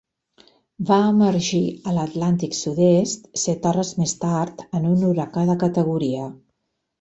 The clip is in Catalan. Va emergir a l'Atlàntic sud-oest set hores més tard en un huracà de categoria.